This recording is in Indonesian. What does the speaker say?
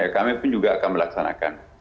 kami pun juga akan melaksanakan